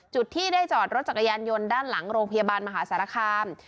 จุดที่ได้จอดรถจักรยานยนต์ด้านหลังโรงพยาบาลมหาสารคาม